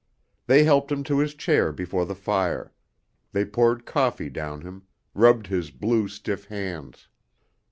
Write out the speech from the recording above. They helped him to his chair before the fire; they poured coffee down him, rubbed his blue, stiff hands.